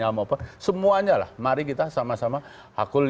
bahkan sudah selesai penanganan panjangnya juga sangat penuh